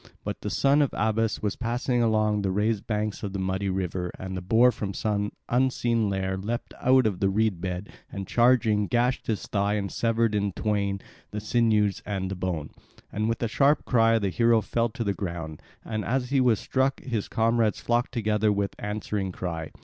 But the son of Abas was passing along the raised banks of the muddy river, and the boar from some unseen lair leapt out of the reed bed, and charging gashed his thigh and severed in twain the sinews and the bone. And with a sharp cry the hero fell to the ground; and as he was struck his comrades flocked together with answering cry.